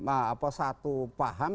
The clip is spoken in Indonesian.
apa satu paham